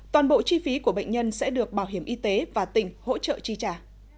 toàn bộ chi phí của bệnh nhân sẽ được bảo hiểm y tế và tỉnh hỗ trợ chi trả